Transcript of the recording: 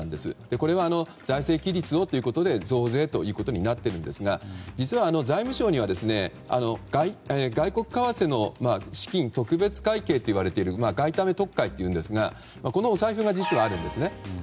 これは財政規律をということで増税ということになっていますが実は財務省には、外国為替の資金特別会計といわれている外為特会というんですがお財布が実はあるんですね。